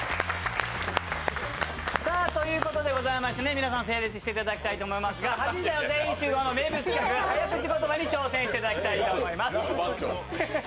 皆さん整列していただきたいと思いますが「８時だョ！全員集合」の名物企画、早口言葉に挑戦していただきたいと思います。